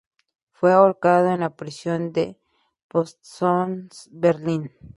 Fue ahorcado en la prisión de Plötzensee, Berlín.